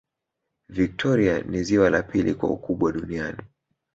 victoria ni ziwa la pili kwa ukubwa duniani